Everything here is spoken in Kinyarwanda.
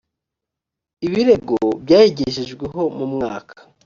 ibirego byayigejejweho mu mwaka